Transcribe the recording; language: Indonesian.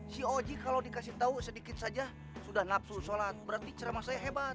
si oji kalau dikasih tahu sedikit saja sudah nafsu sholat berarti ceramah saya hebat